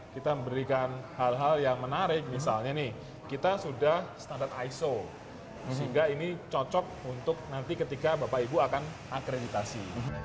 kita memberikan hal hal yang menarik misalnya nih kita sudah standar iso sehingga ini cocok untuk nanti ketika bapak ibu akan akreditasi